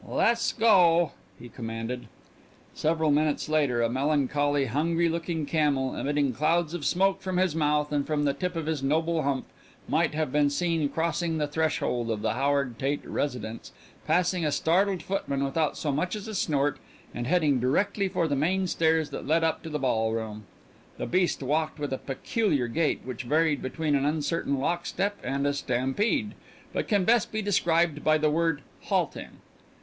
"Let's go," he commanded. Several minutes later a melancholy, hungry looking camel, emitting clouds of smoke from his mouth and from the tip of his noble hump, might have been seen crossing the threshold of the Howard Tate residence, passing a startled footman without so much as a snort, and heading directly for the main stairs that led up to the ballroom. The beast walked with a peculiar gait which varied between an uncertain lockstep and a stampede but can best be described by the word "halting."